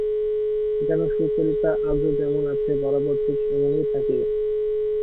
যেন সুচরিতা আজও যেমন আছে বরাবর ঠিক এমনিই থাকিবে।